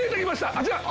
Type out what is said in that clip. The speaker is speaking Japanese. あちら。